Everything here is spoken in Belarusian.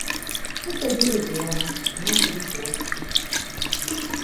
Мы сядзелі дома, у нас былі госці.